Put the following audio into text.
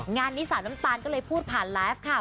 งานนี้สาวน้ำตาลก็เลยพูดผ่านไลฟ์ค่ะ